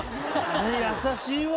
優しいわ。